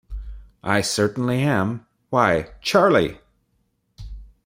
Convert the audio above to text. I certainly am — why, Charlie!